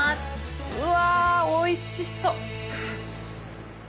うわおいしそう！